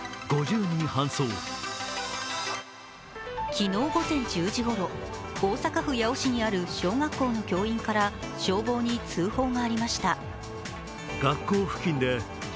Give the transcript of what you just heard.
昨日午前１０時ごろ、大阪府八尾市にある小学校の教員から消防に通報がありました。